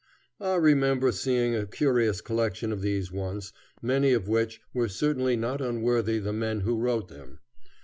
I remember seeing a curious collection of these once, many of which were certainly not unworthy the men who wrote them.